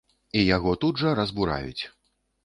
І яго тут жа разбураюць.